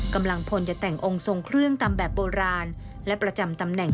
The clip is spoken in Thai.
กำลังพลจะแต่งองค์ทรงเครื่องตามแบบโบราณและประจำตำแหน่ง